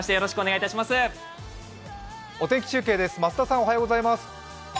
お天気中継です。